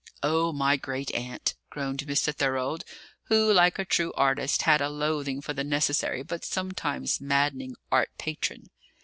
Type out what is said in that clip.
"Oh, my great aunt!" groaned Mr. Thorold, who, like a true artist, had a loathing for the necessary, but sometimes maddening, art patron.